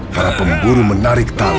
para pemburu menarik tali